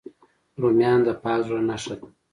رومیان د پاک زړه نښه ده